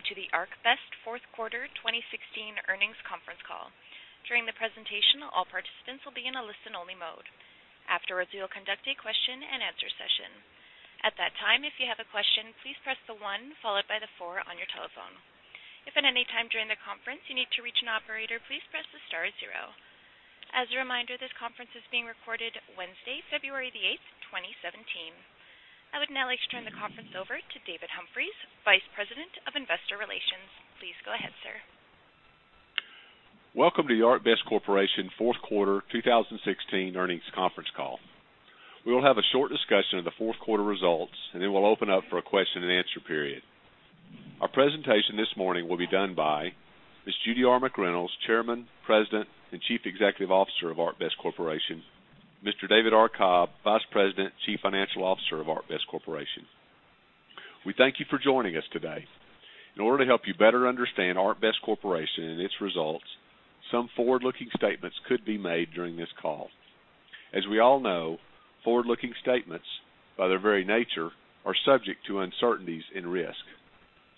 Welcome to the ArcBest fourth quarter 2016 earnings conference call. During the presentation, all participants will be in a listen-only mode. Afterwards, we will conduct a question-and-answer session. At that time, if you have a question, please press the 1 followed by the 4 on your telephone. If at any time during the conference you need to reach an operator, please press the star 0. As a reminder, this conference is being recorded Wednesday, February the 8th, 2017. I would now like to turn the conference over to David Humphrey, Vice President of Investor Relations. Please go ahead, sir. Welcome to the ArcBest Corporation fourth quarter 2016 earnings conference call. We will have a short discussion of the fourth quarter results, and then we'll open up for a question-and-answer period. Our presentation this morning will be done by Ms. Judy R. McReynolds, Chairman, President, and Chief Executive Officer of ArcBest Corporation. Mr. David R. Cobb, Vice President, Chief Financial Officer of ArcBest Corporation. We thank you for joining us today. In order to help you better understand ArcBest Corporation and its results, some forward-looking statements could be made during this call. As we all know, forward-looking statements, by their very nature, are subject to uncertainties and risk.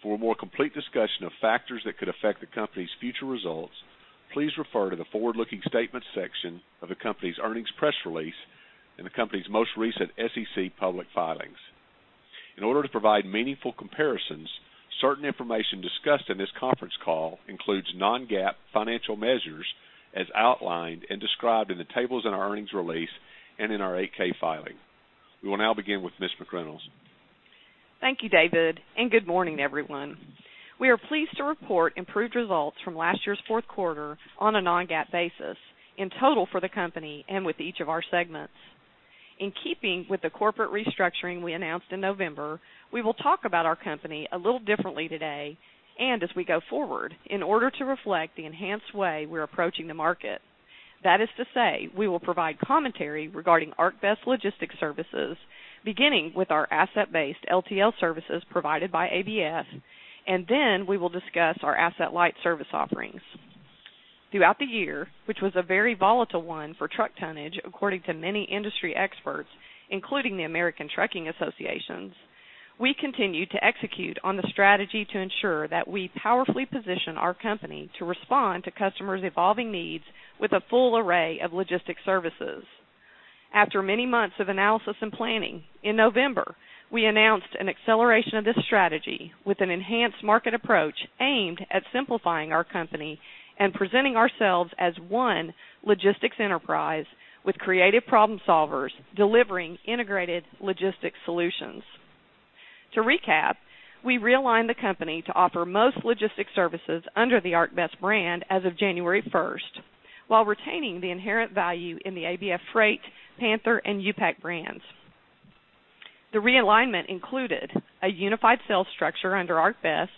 For a more complete discussion of factors that could affect the company's future results, please refer to the forward-looking statements section of the company's earnings press release and the company's most recent SEC public filings. In order to provide meaningful comparisons, certain information discussed in this conference call includes non-GAAP financial measures as outlined and described in the tables in our earnings release and in our 8-K filing. We will now begin with Ms. McReynolds. Thank you, David, and good morning, everyone. We are pleased to report improved results from last year's fourth quarter on a Non-GAAP basis, in total for the company and with each of our segments. In keeping with the corporate restructuring we announced in November, we will talk about our company a little differently today and as we go forward in order to reflect the enhanced way we're approaching the market. That is to say, we will provide commentary regarding ArcBest logistics services, beginning with our asset-based LTL services provided by ABF, and then we will discuss our asset-light service offerings. Throughout the year, which was a very volatile one for truck tonnage according to many industry experts, including the American Trucking Associations, we continued to execute on the strategy to ensure that we powerfully position our company to respond to customers' evolving needs with a full array of logistics services. After many months of analysis and planning, in November, we announced an acceleration of this strategy with an enhanced market approach aimed at simplifying our company and presenting ourselves as one logistics enterprise with creative problem solvers delivering integrated logistics solutions. To recap, we realigned the company to offer most logistics services under the ArcBest brand as of January 1st, while retaining the inherent value in the ABF Freight, Panther, and U-Pack brands. The realignment included a unified sales structure under ArcBest,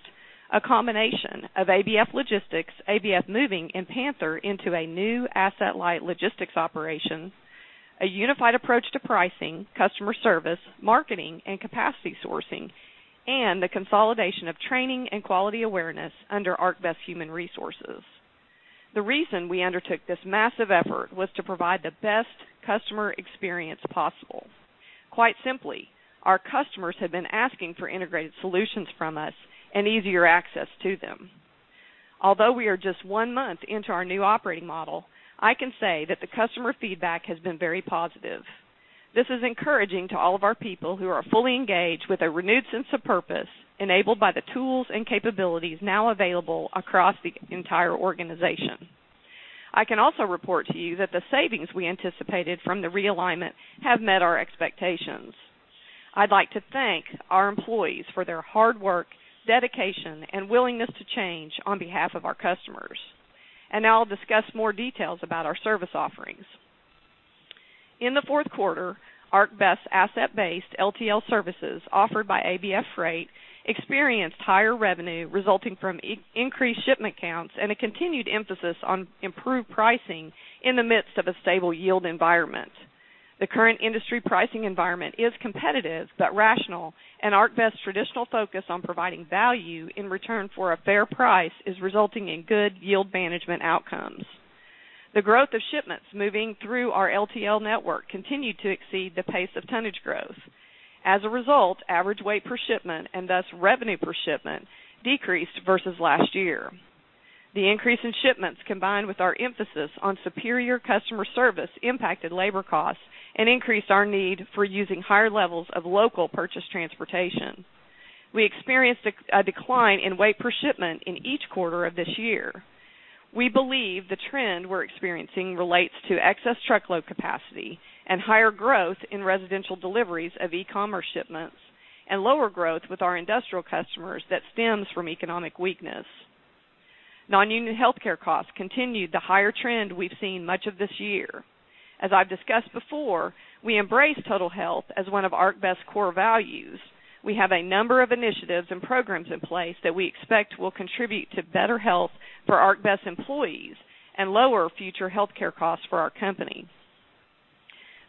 a combination of ABF Logistics, ABF Moving, and Panther into a new asset-light logistics operation, a unified approach to pricing, customer service, marketing, and capacity sourcing, and the consolidation of training and quality awareness under ArcBest Human Resources. The reason we undertook this massive effort was to provide the best customer experience possible. Quite simply, our customers had been asking for integrated solutions from us and easier access to them. Although we are just one month into our new operating model, I can say that the customer feedback has been very positive. This is encouraging to all of our people who are fully engaged with a renewed sense of purpose enabled by the tools and capabilities now available across the entire organization. I can also report to you that the savings we anticipated from the realignment have met our expectations. I'd like to thank our employees for their hard work, dedication, and willingness to change on behalf of our customers. Now I'll discuss more details about our service offerings. In the fourth quarter, ArcBest's asset-based LTL services offered by ABF Freight experienced higher revenue resulting from increased shipment counts and a continued emphasis on improved pricing in the midst of a stable yield environment. The current industry pricing environment is competitive but rational, and ArcBest's traditional focus on providing value in return for a fair price is resulting in good yield management outcomes. The growth of shipments moving through our LTL network continued to exceed the pace of tonnage growth. As a result, average weight per shipment and thus revenue per shipment decreased versus last year. The increase in shipments, combined with our emphasis on superior customer service, impacted labor costs and increased our need for using higher levels of local purchased transportation. We experienced a decline in weight per shipment in each quarter of this year. We believe the trend we're experiencing relates to excess truckload capacity and higher growth in residential deliveries of e-commerce shipments, and lower growth with our industrial customers that stems from economic weakness. Nonunion healthcare costs continued the higher trend we've seen much of this year. As I've discussed before, we embrace total health as one of ArcBest's core values. We have a number of initiatives and programs in place that we expect will contribute to better health for ArcBest employees and lower future healthcare costs for our company.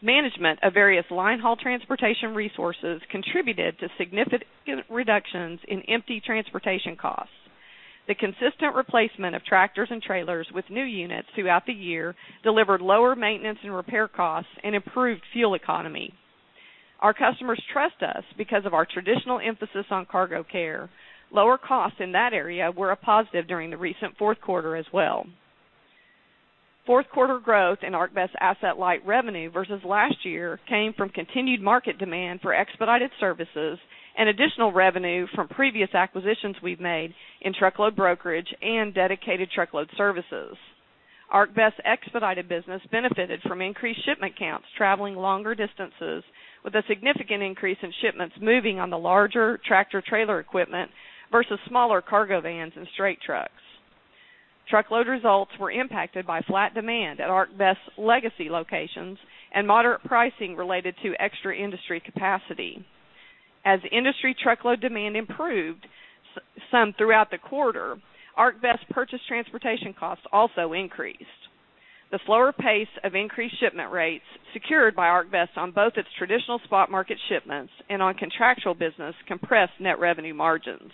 Management of various linehaul transportation resources contributed to significant reductions in empty transportation costs. The consistent replacement of tractors and trailers with new units throughout the year delivered lower maintenance and repair costs and improved fuel economy. Our customers trust us because of our traditional emphasis on cargo care. Lower costs in that area were a positive during the recent fourth quarter as well. Fourth quarter growth in ArcBest's asset-light revenue versus last year came from continued market demand for expedited services and additional revenue from previous acquisitions we've made in truckload brokerage and dedicated truckload services. ArcBest's expedited business benefited from increased shipment counts traveling longer distances with a significant increase in shipments moving on the larger tractor-trailer equipment versus smaller cargo vans and straight trucks. Truckload results were impacted by flat demand at ArcBest's legacy locations and moderate pricing related to extra industry capacity. As industry truckload demand improved some throughout the quarter, ArcBest's purchased transportation costs also increased. The slower pace of increased shipment rates secured by ArcBest on both its traditional spot market shipments and on contractual business compressed net revenue margins.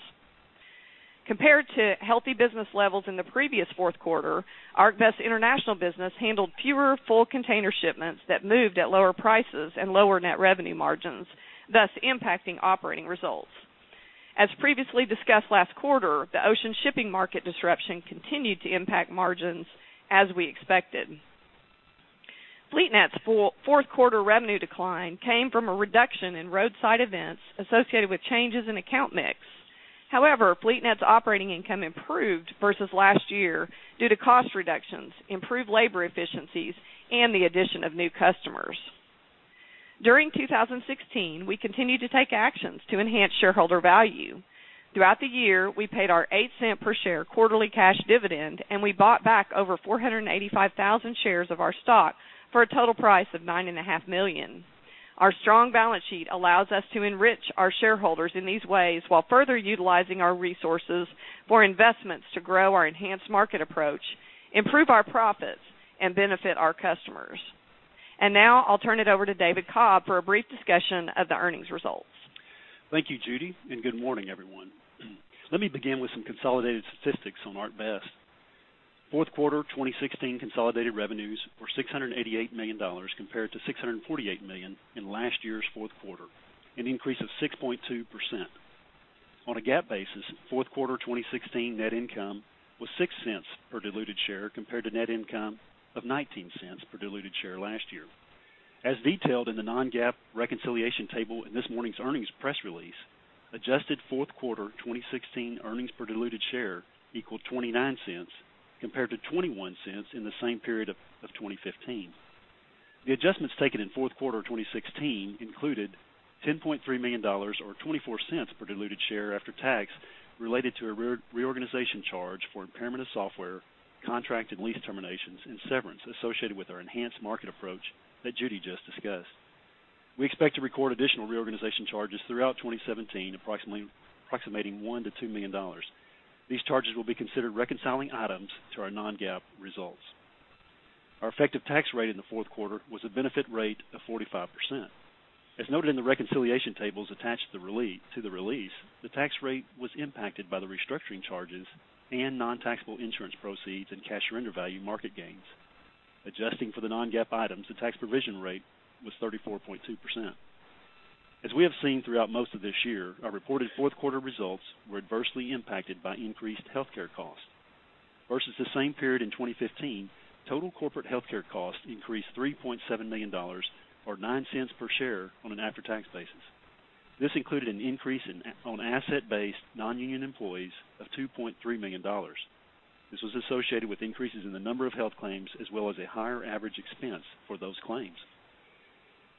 Compared to healthy business levels in the previous fourth quarter, ArcBest's international business handled fewer full container shipments that moved at lower prices and lower net revenue margins, thus impacting operating results. As previously discussed last quarter, the ocean shipping market disruption continued to impact margins as we expected. FleetNet's fourth quarter revenue decline came from a reduction in roadside events associated with changes in account mix. However, FleetNet's operating income improved versus last year due to cost reductions, improved labor efficiencies, and the addition of new customers. During 2016, we continued to take actions to enhance shareholder value. Throughout the year, we paid our $0.08 per share quarterly cash dividend, and we bought back over 485,000 shares of our stock for a total price of $9.5 million. Our strong balance sheet allows us to enrich our shareholders in these ways while further utilizing our resources for investments to grow our enhanced market approach, improve our profits, and benefit our customers. And now I'll turn it over to David Cobb for a brief discussion of the earnings results. Thank you, Judy, and good morning, everyone. Let me begin with some consolidated statistics on ArcBest. Fourth quarter 2016 consolidated revenues were $688 million compared to $648 million in last year's fourth quarter, an increase of 6.2%. On a GAAP basis, fourth quarter 2016 net income was $0.06 per diluted share compared to net income of $0.19 per diluted share last year. As detailed in the non-GAAP reconciliation table in this morning's earnings press release, adjusted fourth quarter 2016 earnings per diluted share equaled $0.29 compared to $0.21 in the same period of 2015. The adjustments taken in fourth quarter 2016 included $10.3 million or $0.24 per diluted share after tax related to a reorganization charge for impairment of software, contract and lease terminations, and severance associated with our enhanced market approach that Judy just discussed. We expect to record additional reorganization charges throughout 2017 approximating $1-$2 million. These charges will be considered reconciling items to our non-GAAP results. Our effective tax rate in the fourth quarter was a benefit rate of 45%. As noted in the reconciliation tables attached to the release, the tax rate was impacted by the restructuring charges and non-taxable insurance proceeds and cash surrender value market gains. Adjusting for the non-GAAP items, the tax provision rate was 34.2%. As we have seen throughout most of this year, our reported fourth quarter results were adversely impacted by increased healthcare costs. Versus the same period in 2015, total corporate healthcare costs increased $3.7 million or $0.09 per share on an after-tax basis. This included an increase on asset-based nonunion employees of $2.3 million. This was associated with increases in the number of health claims as well as a higher average expense for those claims.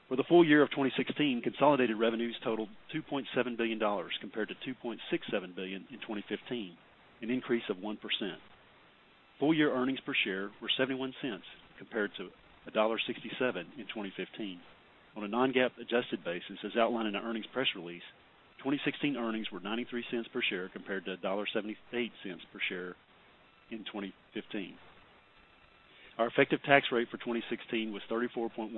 For the full year of 2016, consolidated revenues totaled $2.7 billion compared to $2.67 billion in 2015, an increase of 1%. Full year earnings per share were $0.71 compared to $1.67 in 2015. On a Non-GAAP adjusted basis, as outlined in the earnings press release, 2016 earnings were $0.93 per share compared to $1.78 per share in 2015. Our effective tax rate for 2016 was 34.1%.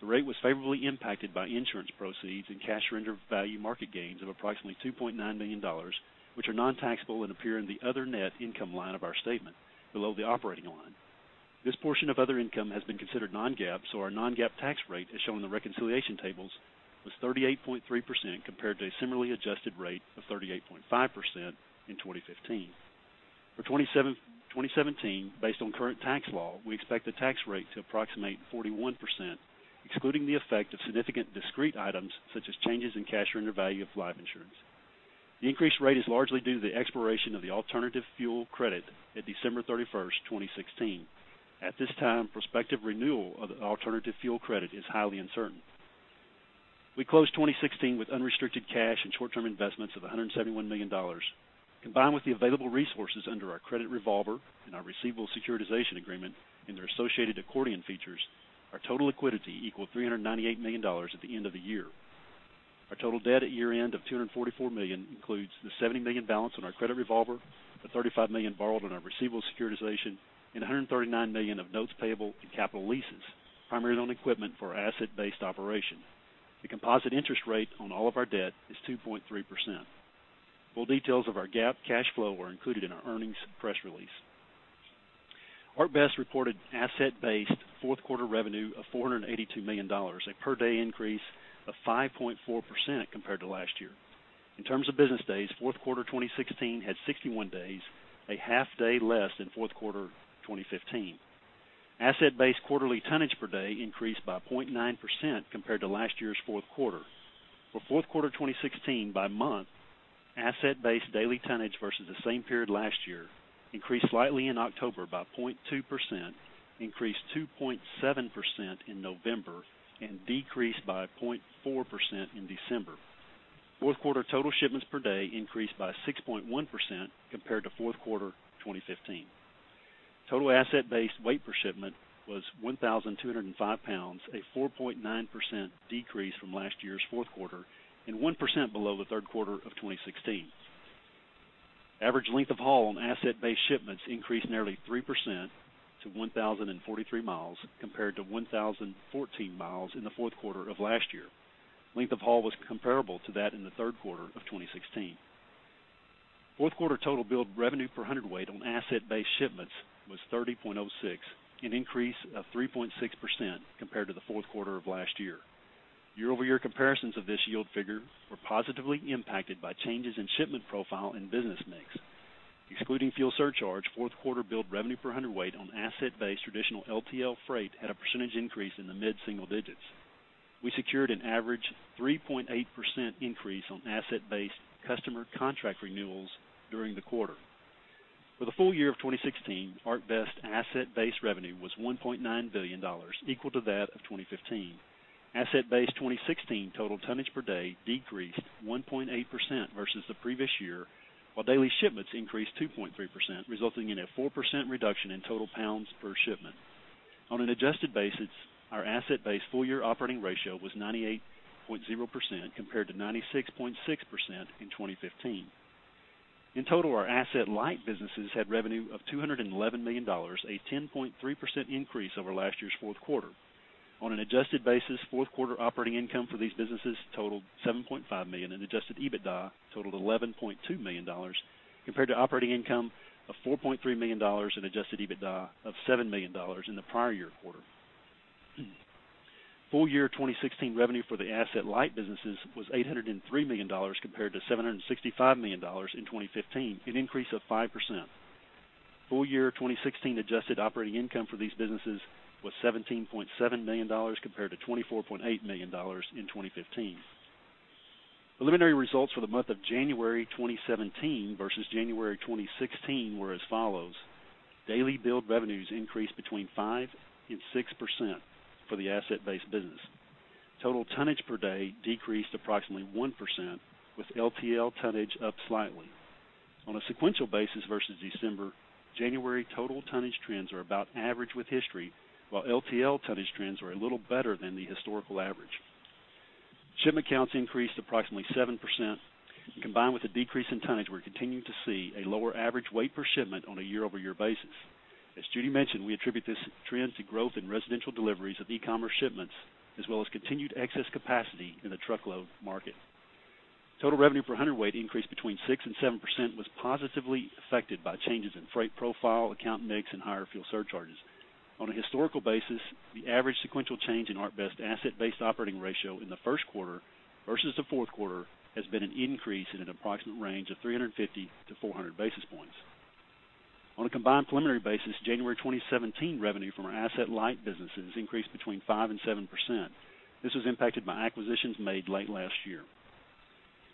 The rate was favorably impacted by insurance proceeds and cash surrender value market gains of approximately $2.9 million, which are non-taxable and appear in the other net income line of our statement, below the operating line. This portion of other income has been considered non-GAAP, so our non-GAAP tax rate, as shown in the reconciliation tables, was 38.3% compared to a similarly adjusted rate of 38.5% in 2015. For 2017, based on current tax law, we expect the tax rate to approximate 41%, excluding the effect of significant discrete items such as changes in cash surrender value of life insurance. The increased rate is largely due to the expiration of the alternative fuel credit at December 31, 2016. At this time, prospective renewal of the alternative fuel credit is highly uncertain. We closed 2016 with unrestricted cash and short-term investments of $171 million. Combined with the available resources under our credit revolver and our receivable securitization agreement and their associated accordion features, our total liquidity equaled $398 million at the end of the year. Our total debt at year end of $244 million includes the $70 million balance on our credit revolver, the $35 million borrowed on our receivable securitization, and $139 million of notes payable and capital leases, primarily on equipment for our asset-based operation. The composite interest rate on all of our debt is 2.3%. Full details of our GAAP cash flow are included in our earnings press release. ArcBest reported asset-based fourth quarter revenue of $482 million, a per day increase of 5.4% compared to last year. In terms of business days, fourth quarter 2016 had 61 days, a half day less than fourth quarter 2015. Asset-based quarterly tonnage per day increased by 0.9% compared to last year's fourth quarter. For fourth quarter 2016 by month, asset-based daily tonnage versus the same period last year increased slightly in October by 0.2%, increased 2.7% in November, and decreased by 0.4% in December. Fourth quarter total shipments per day increased by 6.1% compared to fourth quarter 2015. Total asset-based weight per shipment was 1,205 lbs, a 4.9% decrease from last year's fourth quarter and 1% below the third quarter of 2016. Average length of haul on asset-based shipments increased nearly 3% to 1,043 miles compared to 1,014 miles in the fourth quarter of last year. Length of haul was comparable to that in the third quarter of 2016. Fourth quarter total billed revenue per hundredweight on asset-based shipments was $30.06, an increase of 3.6% compared to the fourth quarter of last year. Year-over-year comparisons of this yield figure were positively impacted by changes in shipment profile and business mix. Excluding fuel surcharge, fourth quarter billed revenue per hundredweight on asset-based traditional LTL freight had a percentage increase in the mid-single digits. We secured an average 3.8% increase on asset-based customer contract renewals during the quarter. For the full year of 2016, ArcBest's asset-based revenue was $1.9 billion, equal to that of 2015. Asset-based 2016 total tonnage per day decreased 1.8% versus the previous year, while daily shipments increased 2.3%, resulting in a 4% reduction in total pounds per shipment. On an adjusted basis, our asset-based full year operating ratio was 98.0% compared to 96.6% in 2015. In total, our asset-light businesses had revenue of $211 million, a 10.3% increase over last year's fourth quarter. On an adjusted basis, fourth quarter operating income for these businesses totaled $7.5 million, and adjusted EBITDA totaled $11.2 million compared to operating income of $4.3 million and adjusted EBITDA of $7 million in the prior year quarter. Full year 2016 revenue for the asset-light businesses was $803 million compared to $765 million in 2015, an increase of 5%. Full year 2016 adjusted operating income for these businesses was $17.7 million compared to $24.8 million in 2015. Preliminary results for the month of January 2017 versus January 2016 were as follows. Daily billed revenues increased between 5%-6% for the asset-based business. Total tonnage per day decreased approximately 1%, with LTL tonnage up slightly. On a sequential basis versus December, January total tonnage trends are about average with history, while LTL tonnage trends are a little better than the historical average. Shipment counts increased approximately 7%. Combined with the decrease in tonnage, we're continuing to see a lower average weight per shipment on a year-over-year basis. As Judy mentioned, we attribute this trend to growth in residential deliveries of e-commerce shipments as well as continued excess capacity in the truckload market. Total revenue per hundredweight increased between 6% and 7%, was positively affected by changes in freight profile, account mix, and higher fuel surcharges. On a historical basis, the average sequential change in ArcBest's asset-based operating ratio in the first quarter versus the fourth quarter has been an increase in an approximate range of 350-400 basis points. On a combined preliminary basis, January 2017 revenue from our asset-light businesses increased between 5% and 7%. This was impacted by acquisitions made late last year.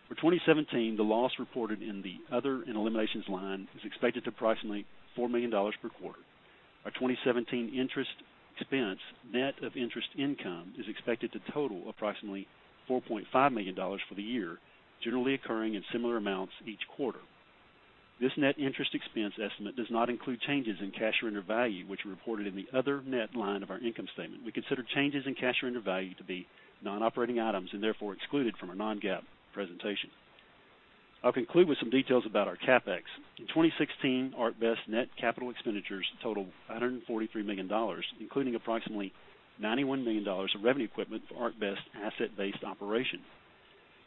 For 2017, the loss reported in the other and eliminations line is expected to approximately $4 million per quarter. Our 2017 interest expense net of interest income is expected to total approximately $4.5 million for the year, generally occurring in similar amounts each quarter. This net interest expense estimate does not include changes in cash surrender value, which were reported in the other net line of our income statement. We consider changes in cash surrender value to be non-operating items and therefore excluded from our non-GAAP presentation. I'll conclude with some details about our CapEx. In 2016, ArcBest net capital expenditures totaled $543 million, including approximately $91 million of revenue equipment for ArcBest's asset-based operation.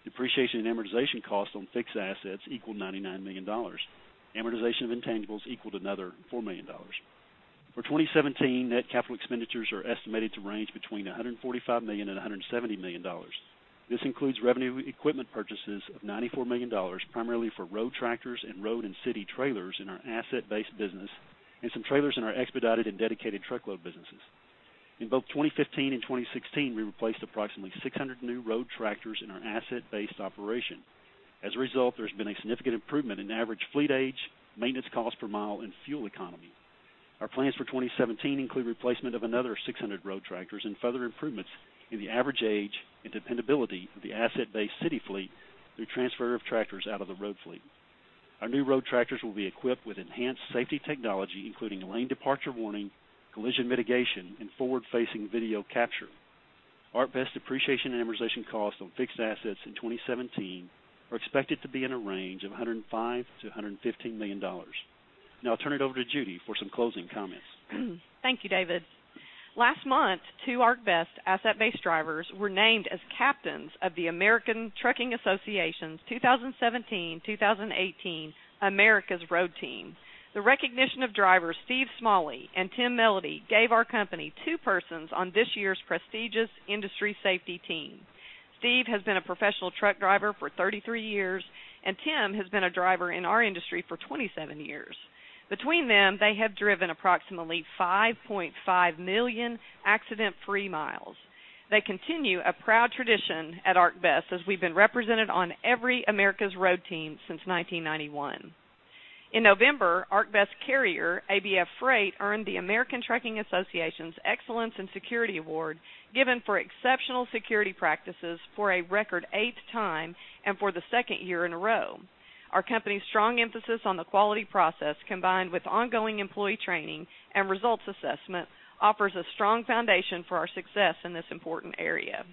Depreciation and amortization costs on fixed assets equaled $99 million. Amortization of intangibles equaled another $4 million. For 2017, net capital expenditures are estimated to range between $145 million-$170 million. This includes revenue equipment purchases of $94 million, primarily for road tractors and road and city trailers in our asset-based business, and some trailers in our expedited and dedicated truckload businesses. In both 2015 and 2016, we replaced approximately 600 new road tractors in our asset-based operation. As a result, there has been a significant improvement in average fleet age, maintenance cost per mile, and fuel economy. Our plans for 2017 include replacement of another 600 road tractors and further improvements in the average age and dependability of the asset-based city fleet through transfer of tractors out of the road fleet. Our new road tractors will be equipped with enhanced safety technology, including lane departure warning, collision mitigation, and forward-facing video capture. ArcBest's depreciation and amortization costs on fixed assets in 2017 are expected to be in a range of $105-$115 million. Now I'll turn it over to Judy for some closing comments. Thank you, David. Last month, two ArcBest asset-based drivers were named as captains of the American Trucking Associations' 2017-2018 America's Road Team. The recognition of drivers Steve Smalley and Tim Melody gave our company two persons on this year's prestigious industry safety team. Steve has been a professional truck driver for 33 years, and Tim has been a driver in our industry for 27 years. Between them, they have driven approximately 5.5 million accident-free miles. They continue a proud tradition at ArcBest as we have been represented on every America's Road Team since 1991. In November, ArcBest's carrier, ABF Freight, earned the American Trucking Associations' Excellence in Security Award given for exceptional security practices for a record eighth time and for the second year in a row. Our company's strong emphasis on the quality process, combined with ongoing employee training and results assessment, offers a strong foundation for our success in this important area.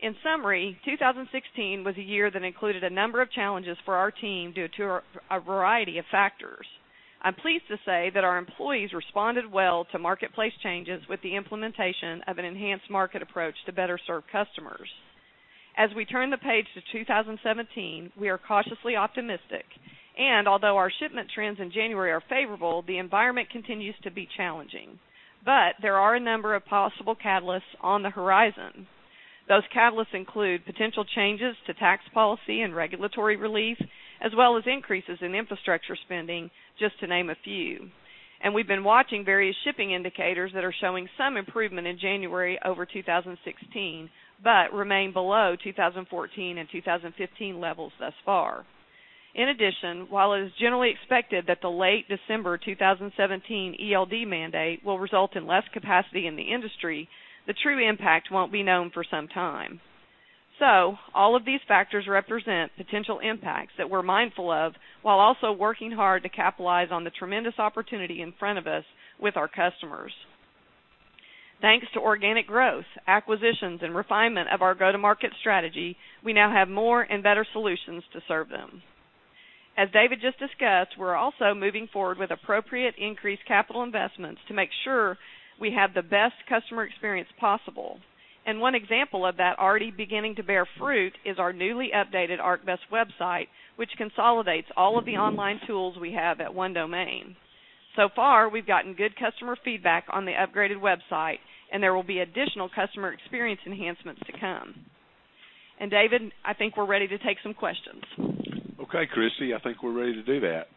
In summary, 2016 was a year that included a number of challenges for our team due to a variety of factors. I'm pleased to say that our employees responded well to marketplace changes with the implementation of an enhanced market approach to better serve customers. As we turn the page to 2017, we are cautiously optimistic, and although our shipment trends in January are favorable, the environment continues to be challenging. There are a number of possible catalysts on the horizon. Those catalysts include potential changes to tax policy and regulatory relief, as well as increases in infrastructure spending, just to name a few. We have been watching various shipping indicators that are showing some improvement in January over 2016 but remain below 2014 and 2015 levels thus far. In addition, while it is generally expected that the late December 2017 ELD mandate will result in less capacity in the industry, the true impact won't be known for some time. So, all of these factors represent potential impacts that we're mindful of while also working hard to capitalize on the tremendous opportunity in front of us with our customers. Thanks to organic growth, acquisitions, and refinement of our go-to-market strategy, we now have more and better solutions to serve them. As David just discussed, we're also moving forward with appropriate increased capital investments to make sure we have the best customer experience possible. One example of that already beginning to bear fruit is our newly updated ArcBest website, which consolidates all of the online tools we have at one domain. So far, we've gotten good customer feedback on the upgraded website, and there will be additional customer experience enhancements to come. David, I think we're ready to take some questions. Okay, Christy. I think we're ready to do that.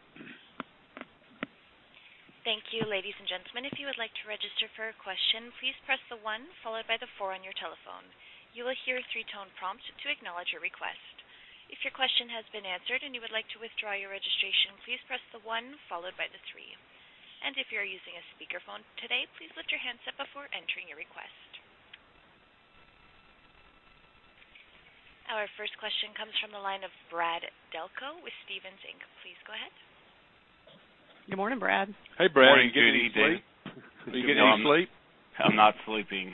Thank you, ladies and gentlemen. If you would like to register for a question, please press the 1 followed by the 4 on your telephone. You will hear a three-tone prompt to acknowledge your request. If your question has been answered and you would like to withdraw your registration, please press the 1 followed by the 3. And if you are using a speakerphone today, please lift your hands up before entering your request. Our first question comes from the line of Brad Delco with Stephens Inc. Please go ahead. Good morning, Brad. Hey, Brad. Good morning. Good evening. Are you getting any sleep? I'm not sleeping.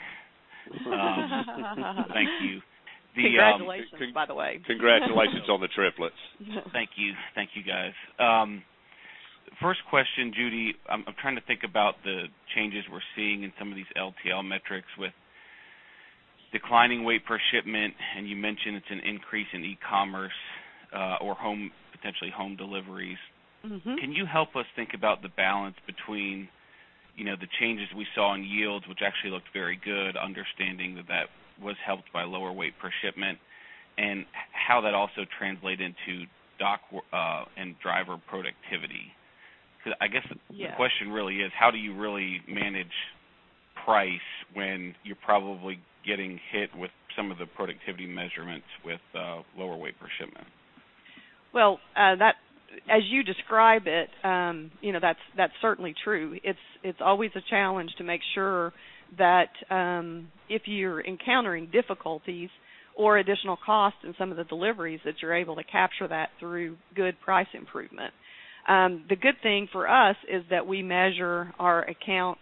Thank you. Congratulations, by the way. Congratulations on the triplets. Thank you. Thank you, guys. First question, Judy, I'm trying to think about the changes we're seeing in some of these LTL metrics with declining weight per shipment, and you mentioned it's an increase in e-commerce or potentially home deliveries. Can you help us think about the balance between the changes we saw in yields, which actually looked very good, understanding that that was helped by lower weight per shipment, and how that also translated into dock and driver productivity? Because I guess the question really is, how do you really manage price when you're probably getting hit with some of the productivity measurements with lower weight per shipment? Well, as you describe it, that's certainly true. It's always a challenge to make sure that if you're encountering difficulties or additional costs in some of the deliveries, that you're able to capture that through good price improvement. The good thing for us is that we measure our accounts'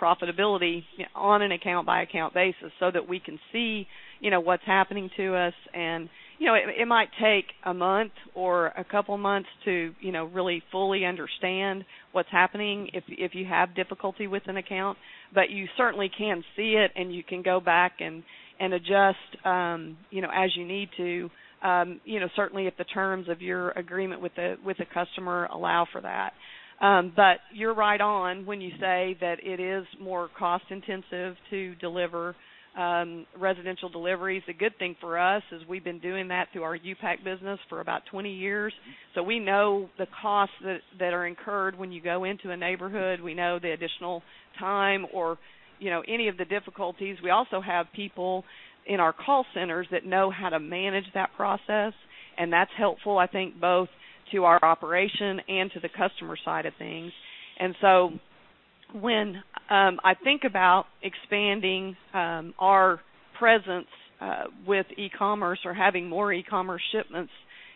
profitability on an account-by-account basis so that we can see what's happening to us. And it might take a month or a couple of months to really fully understand what's happening if you have difficulty with an account, but you certainly can see it, and you can go back and adjust as you need to, certainly if the terms of your agreement with the customer allow for that. But you're right on when you say that it is more cost-intensive to deliver residential deliveries. The good thing for us is we've been doing that through our U-Pack business for about 20 years, so we know the costs that are incurred when you go into a neighborhood. We know the additional time or any of the difficulties. We also have people in our call centers that know how to manage that process, and that's helpful, I think, both to our operation and to the customer side of things. And so when I think about expanding our presence with e-commerce or having more e-commerce shipments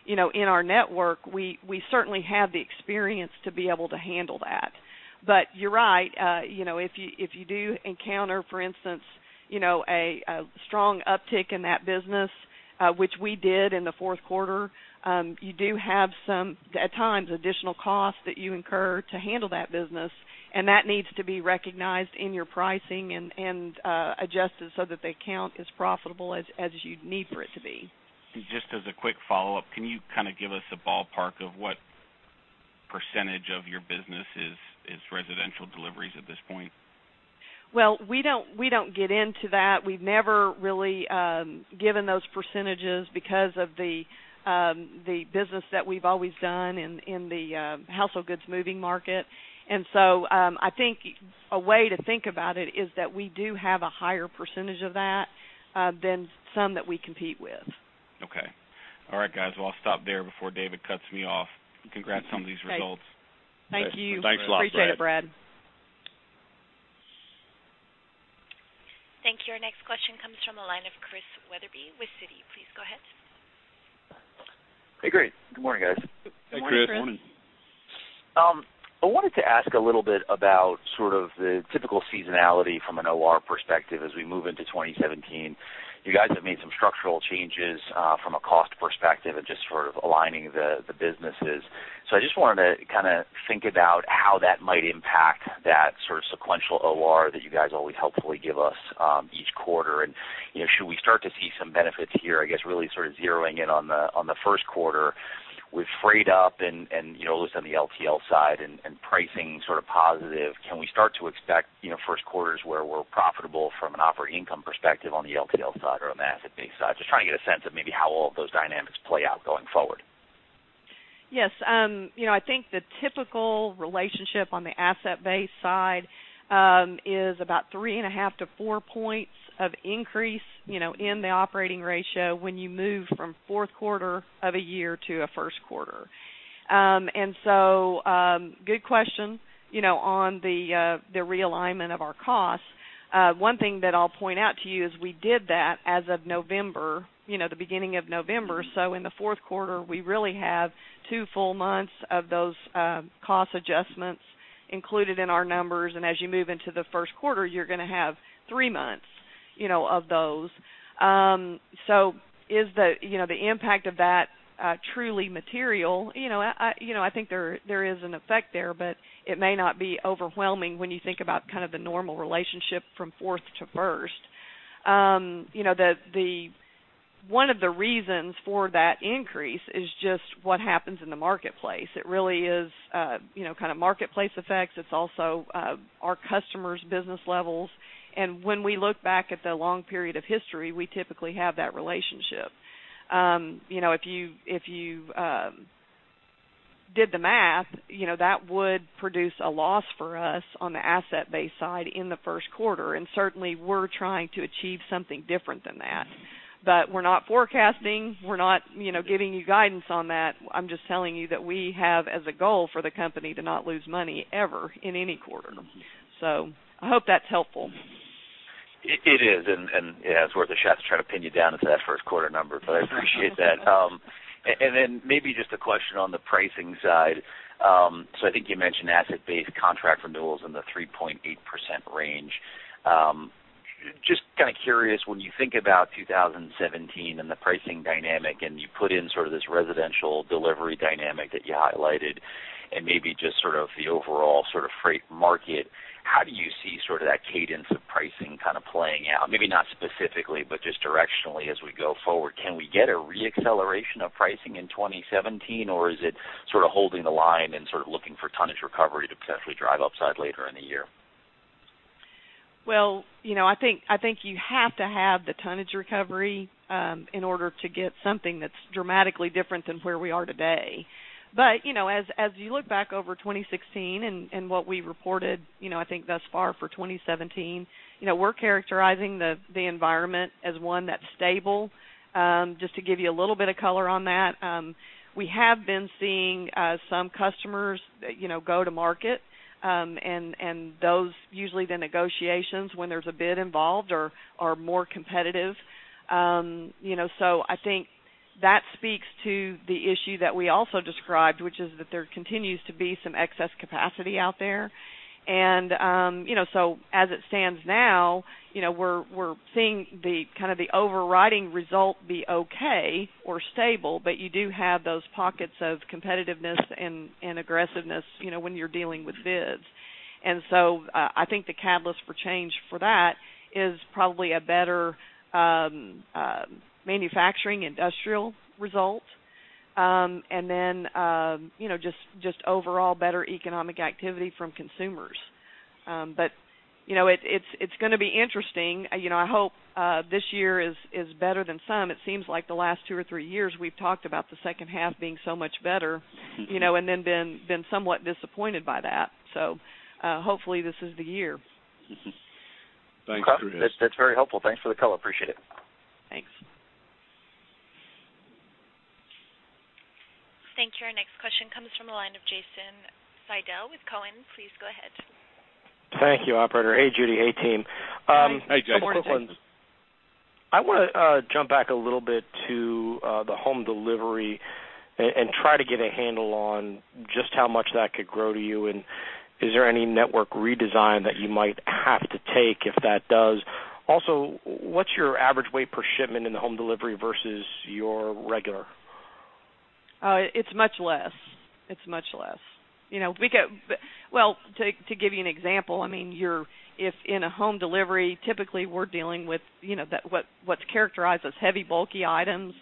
in our network, we certainly have the experience to be able to handle that. But you're right. If you do encounter, for instance, a strong uptick in that business, which we did in the fourth quarter, you do have some, at times, additional costs that you incur to handle that business, and that needs to be recognized in your pricing and adjusted so that the account is profitable as you need for it to be. Just as a quick follow-up, can you kind of give us a ballpark of what percentage of your business is residential deliveries at this point? Well, we don't get into that. We've never really given those percentages because of the business that we've always done in the household goods moving market. And so I think a way to think about it is that we do have a higher percentage of that than some that we compete with. Okay. All right, guys. Well, I'll stop there before David cuts me off. Congrats on these results. Thank you. Thanks lot. Appreciate it, Brad. Thank you. Our next question comes from the line of Chris Weatherby with Citi. Please go ahead. Hey, great. Good morning, guys. Hey, Chris. Good morning. I wanted to ask a little bit about sort of the typical seasonality from an OR perspective as we move into 2017. You guys have made some structural changes from a cost perspective and just sort of aligning the businesses. So I just wanted to kind of think about how that might impact that sort of sequential OR that you guys always helpfully give us each quarter. And should we start to see some benefits here, I guess really sort of zeroing in on the first quarter with freight up and at least on the LTL side and pricing sort of positive, can we start to expect first quarters where we're profitable from an operating income perspective on the LTL side or on the asset-based side? Just trying to get a sense of maybe how all of those dynamics play out going forward. Yes. I think the typical relationship on the asset-based side is about 3.5-4 points of increase in the operating ratio when you move from fourth quarter of a year to a first quarter. And so good question on the realignment of our costs. One thing that I'll point out to you is we did that as of November, the beginning of November. So in the fourth quarter, we really have 2 full months of those cost adjustments included in our numbers. And as you move into the first quarter, you're going to have 3 months of those. So is the impact of that truly material? I think there is an effect there, but it may not be overwhelming when you think about kind of the normal relationship from fourth to first. One of the reasons for that increase is just what happens in the marketplace. It really is kind of marketplace effects. It's also our customers' business levels. When we look back at the long period of history, we typically have that relationship. If you did the math, that would produce a loss for us on the asset-based side in the first quarter. Certainly, we're trying to achieve something different than that. But we're not forecasting. We're not giving you guidance on that. I'm just telling you that we have as a goal for the company to not lose money ever in any quarter. I hope that's helpful. It is. And yeah, it's worth a shot to try to pin you down into that first quarter number, but I appreciate that. And then maybe just a question on the pricing side. So I think you mentioned asset-based contract renewals in the 3.8% range. Just kind of curious, when you think about 2017 and the pricing dynamic, and you put in sort of this residential delivery dynamic that you highlighted, and maybe just sort of the overall sort of freight market, how do you see sort of that cadence of pricing kind of playing out? Maybe not specifically, but just directionally as we go forward. Can we get a reacceleration of pricing in 2017, or is it sort of holding the line and sort of looking for tonnage recovery to potentially drive upside later in the year? Well, I think you have to have the tonnage recovery in order to get something that's dramatically different than where we are today. But as you look back over 2016 and what we reported, I think, thus far for 2017, we're characterizing the environment as one that's stable. Just to give you a little bit of color on that, we have been seeing some customers go to market, and those usually, the negotiations when there's a bid involved are more competitive. So I think that speaks to the issue that we also described, which is that there continues to be some excess capacity out there. And so as it stands now, we're seeing kind of the overriding result be okay or stable, but you do have those pockets of competitiveness and aggressiveness when you're dealing with bids. And so I think the catalyst for change for that is probably a better manufacturing industrial result and then just overall better economic activity from consumers. But it's going to be interesting. I hope this year is better than some. It seems like the last two or three years, we've talked about the second half being so much better and then been somewhat disappointed by that. So hopefully, this is the year. Thanks, Chris. That's very helpful. Thanks for the color. Appreciate it. Thanks. Thank you. Our next question comes from the line of Jason Seidel with Cowen. Please go ahead. Thank you, operator. Hey, Judy. Hey, team. Hey, Jeff. Good morning, David. I want to jump back a little bit to the home delivery and try to get a handle on just how much that could grow to you. Is there any network redesign that you might have to take if that does? Also, what's your average weight per shipment in the home delivery versus your regular? Oh, it's much less. It's much less. Well, to give you an example, I mean, if in a home delivery, typically, we're dealing with what's characterized as heavy, bulky items.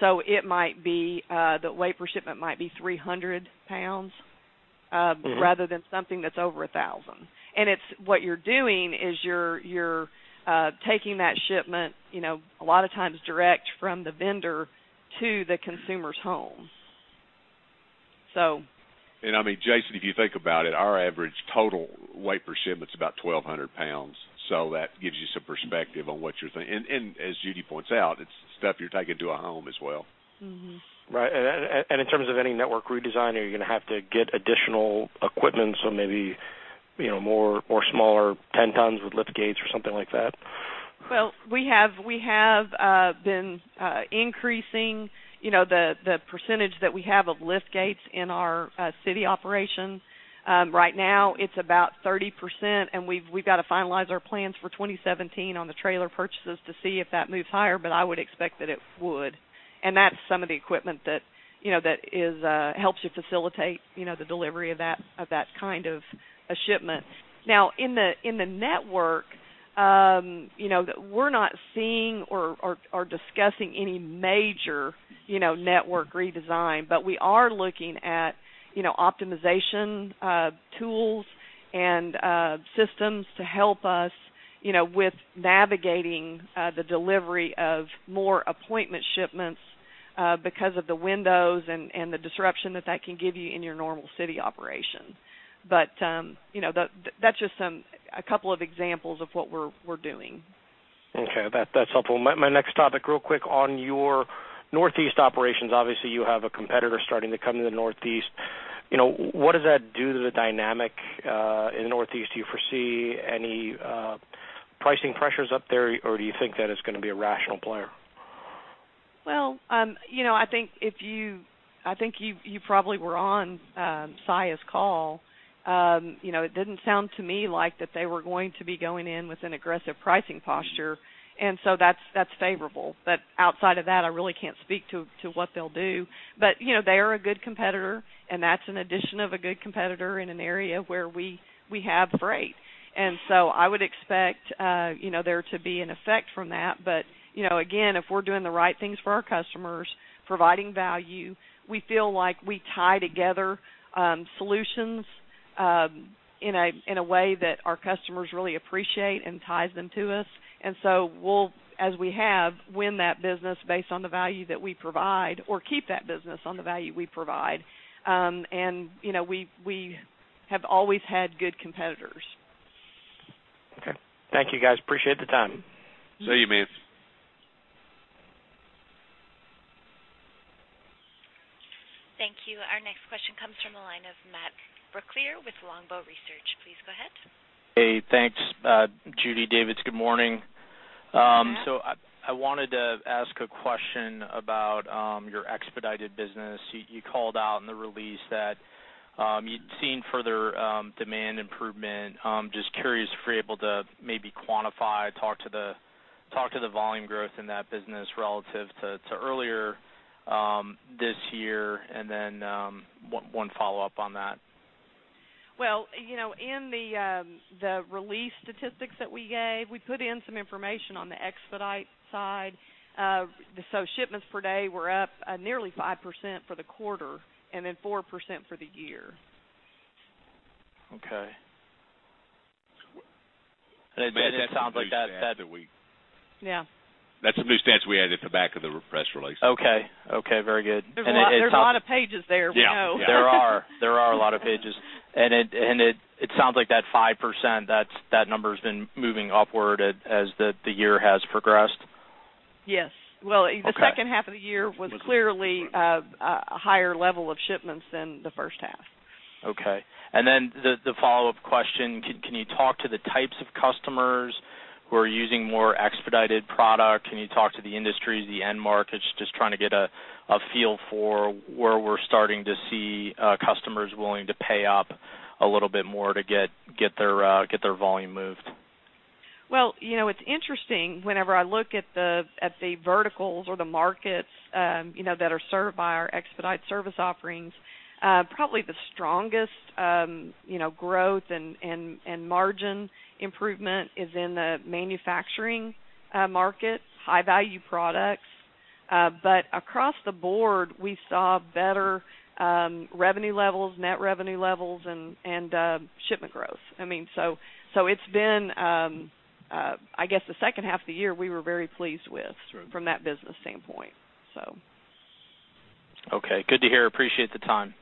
So it might be the weight per shipment might be 300 pounds rather than something that's over 1,000. And what you're doing is you're taking that shipment, a lot of times direct from the vendor to the consumer's home, so. I mean, Jason, if you think about it, our average total weight per shipment's about 1,200 pounds. So that gives you some perspective on what you're handling and as Judy points out, it's stuff you're taking to a home as well. Right. In terms of any network redesign, are you going to have to get additional equipment, so maybe more smaller 10 tons with lift gates or something like that? Well, we have been increasing the percentage that we have of lift gates in our city operation. Right now, it's about 30%, and we've got to finalize our plans for 2017 on the trailer purchases to see if that moves higher, but I would expect that it would. And that's some of the equipment that helps you facilitate the delivery of that kind of a shipment. Now, in the network, we're not seeing or discussing any major network redesign, but we are looking at optimization tools and systems to help us with navigating the delivery of more appointment shipments because of the windows and the disruption that that can give you in your normal city operation. But that's just a couple of examples of what we're doing. Okay. That's helpful. My next topic, real quick, on your Northeast operations, obviously, you have a competitor starting to come to the Northeast. What does that do to the dynamic in the Northeast? Do you foresee any pricing pressures up there, or do you think that is going to be a rational player? Well, I think if you probably were on Saia's call. It didn't sound to me like that they were going to be going in with an aggressive pricing posture, and so that's favorable. But outside of that, I really can't speak to what they'll do. But they are a good competitor, and that's an addition of a good competitor in an area where we have freight. And so I would expect there to be an effect from that. But again, if we're doing the right things for our customers, providing value, we feel like we tie together solutions in a way that our customers really appreciate and ties them to us. And so we'll, as we have, win that business based on the value that we provide or keep that business on the value we provide. And we have always had good competitors. Okay. Thank you, guys. Appreciate the time. See you, man. Thank you. Our next question comes from the line of Matt Brooklier with Longbow Research. Please go ahead. Hey, thanks, Judy, Davids. Good morning. So I wanted to ask a question about your expedited business. You called out in the release that you'd seen further demand improvement. Just curious if we're able to maybe quantify, talk to the volume growth in that business relative to earlier this year, and then one follow-up on that. Well, in the release statistics that we gave, we put in some information on the expedite side. So shipments per day were up nearly 5% for the quarter and then 4% for the year. Okay. It sounds like that. That's a new stance that we added at the back of the press release. Okay. Okay. Very good. And it sounds. There's a lot of pages there. We know. Yeah. There are a lot of pages. It sounds like that 5%, that number has been moving upward as the year has progressed? Yes. Well, the second half of the year was clearly a higher level of shipments than the first half. Okay. Then the follow-up question: Can you talk to the types of customers who are using more expedited product? Can you talk to the industries, the end markets, just trying to get a feel for where we're starting to see customers willing to pay up a little bit more to get their volume moved? Well, it's interesting. Whenever I look at the verticals or the markets that are served by our expedite service offerings, probably the strongest growth and margin improvement is in the manufacturing market, high-value products. But across the board, we saw better revenue levels, net revenue levels, and shipment growth. I mean, so it's been, I guess, the second half of the year we were very pleased with from that business standpoint, so. Okay. Good to hear. Appreciate the time.